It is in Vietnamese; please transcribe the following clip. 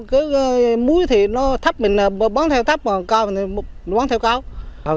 cứ muối thì nó thấp mình bán theo thấp mà cao mình bán theo cao